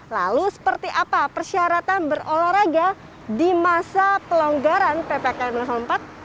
lalu seperti apa persyaratan berolahraga di masa pelonggaran ppkm level empat